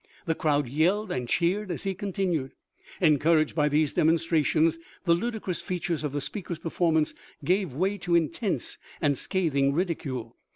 The crowd yelled and cheered as he continued. Encouraged by these demonstrations, the ludicrous features of the speaker's performance gave way to intense and scathing ridicule.